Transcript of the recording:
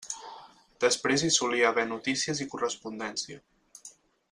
Després hi solia haver notícies i correspondència.